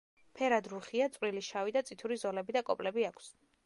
ფერად რუხია, წვრილი შავი და წითური ზოლები და კოპლები აქვს.